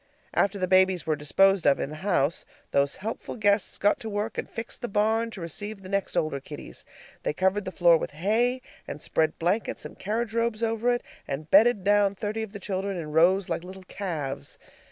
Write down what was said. After the babies were disposed of in the house, those helpful guests got to work and fixed the barn to receive the next older kiddies. They covered the floor with hay, and spread blankets and carriage robes over it, and bedded down thirty of the children in rows like little calves.